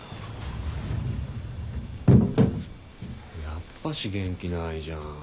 やっぱし元気ないじゃん。